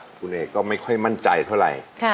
คุณเอกก็ไม่ค่อยมั่นใจเท่าไหร่